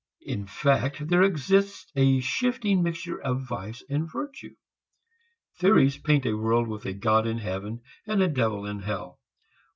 In fact, there exists a shifting mixture of vice and virtue. Theories paint a world with a God in heaven and a Devil in hell.